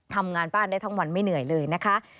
ทำงานบ้านได้ทั้งวันไม่เหนื่อยเลยนะคะ